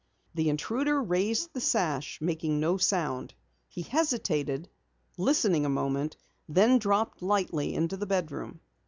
The intruder raised the sash, making no sound. He hesitated, listening a moment, then dropped lightly into the bedroom.